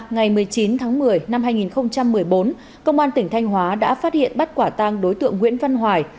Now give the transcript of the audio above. ngày một mươi chín tháng một mươi năm hai nghìn một mươi bốn công an tỉnh thanh hóa đã phát hiện bắt quả tang đối tượng nguyễn văn hoài